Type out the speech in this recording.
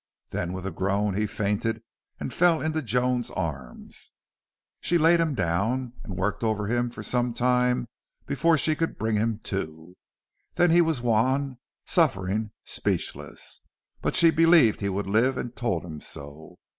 Then with a groan he fainted and fell into Joan's arms. She laid him down and worked over him for some time before she could bring him to. Then he was wan, suffering, speechless. But she believed he would live and told him so.